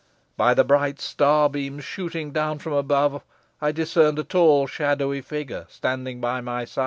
By the bright starbeams shooting down from above, I discerned a tall shadowy figure standing by my side.